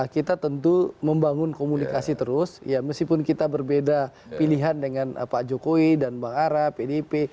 kita tentu membangun komunikasi terus ya meskipun kita berbeda pilihan dengan pak jokowi dan bang ara pdip